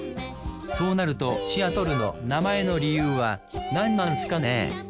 そうなるとシアトルの名前の理由はなんなんすかね？